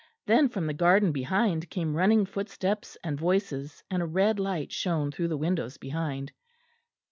Then from the garden behind came running footsteps and voices; and a red light shone through the windows behind.